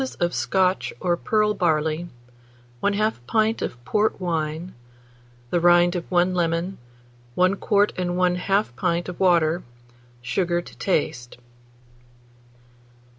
of Scotch or pearl barley, 1/2 pint of port wine, the rind of 1 lemon, 1 quart and 1/2 pint of water, sugar to taste.